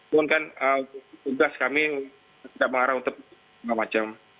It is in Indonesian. mungkin tugas kami tidak mengarah untuk segala macam